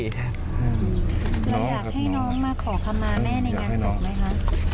อยากให้น้องมาขอคำมาแม่ในงานศพไหมคะ